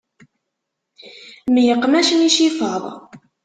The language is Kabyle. Myeqmacen icifaḍ.